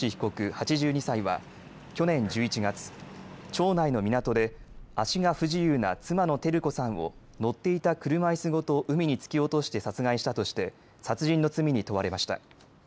８２歳は去年１１月、町内の港で足が不自由な妻の照子さんを乗っていた車いすごと海に突き落として殺害したとして殺人の罪に問われました。